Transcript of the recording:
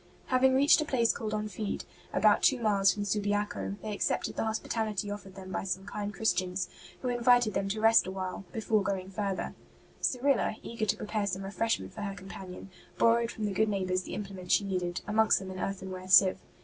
Having reached a place called Enfide, about two miles from Subiaco, they accepted the hospitality offered them by some kind Christians, who invited them to rest awhile THE NEN YO^K PUBLIC LIBRARY A? TOR, r.FN^nx ST. BENEDICT 29 before going further. Cyrilla, eager to pre pare some refreshment for her companion, borrowed from the good neighbours the implements she needed, amongst them an earthenware sieve.